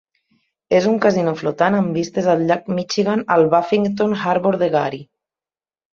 És un casino flotant amb vistes al llac Michigan al Buffington Harbor de Gary.